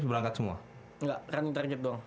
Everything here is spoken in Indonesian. berangkat semua enggak running target doang